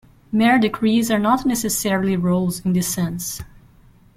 Mere decrees are not necessarily rules in this sense.